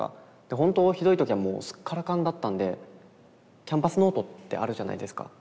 ほんとひどい時はもうスッカラカンだったんでキャンパスノートってあるじゃないですか。